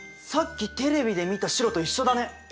さっきテレビで見た白と一緒だね。